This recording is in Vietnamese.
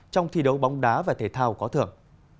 trong thi đấu bóng đá và thể thao có thưởng